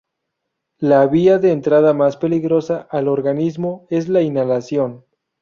La vía de entrada más peligrosa al organismo es la inhalación.